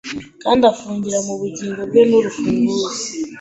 Kandi afungira mu bugingo bwe nurufunguzo